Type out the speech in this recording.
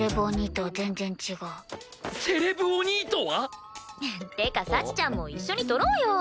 セレブお兄とは！？ってか幸ちゃんも一緒に撮ろうよ！